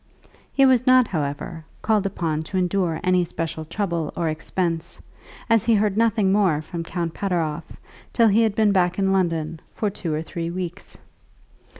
He was not, however, called upon to endure any special trouble or expense, as he heard nothing more from Count Pateroff till he had been back in London for two or three weeks.